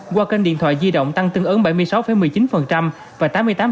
qua kênh điện thoại di động tăng tương ứng bảy mươi sáu một mươi chín và tám mươi tám